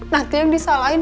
nanti yang disalahin